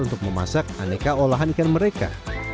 untuk memasak aneka olahan ikan mereka